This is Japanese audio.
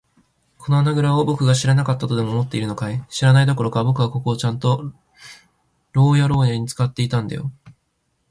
この穴ぐらをぼくが知らなかったとでも思っているのかい。知らないどころか、ぼくはここをちゃんと牢屋ろうやに使っていたんだよ。